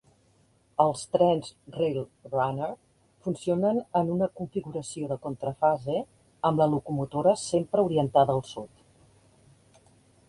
Els trens Rail Runner funcionen en una configuració de contrafase, amb la locomotora sempre orientada al sud.